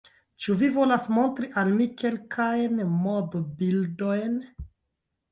Ĉu vi volas montri al mi kelkajn modbildojn?